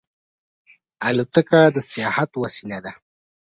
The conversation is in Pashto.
الوتکه د سیاحت وسیله ده.